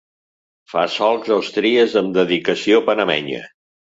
Fa solcs o estries amb dedicació panamenya.